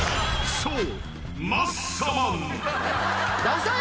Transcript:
そう。